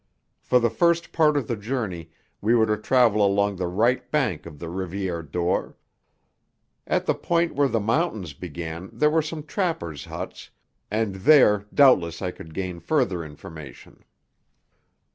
For the first part of the journey we were to travel along the right bank of the Rivière d'Or; at the point where the mountains began there were some trappers' huts, and there doubtless I could gain further information.